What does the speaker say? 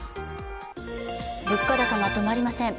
物価高が止まりません。